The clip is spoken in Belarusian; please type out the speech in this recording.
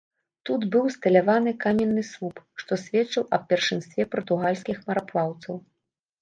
Тут быў усталяваны каменны слуп, што сведчыў аб першынстве партугальскіх мараплаўцаў.